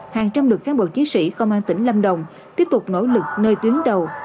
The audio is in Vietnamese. hàng trăm lực cán bộ chiến sĩ công an tỉnh lâm đồng tiếp tục nỗ lực nơi tuyến đầu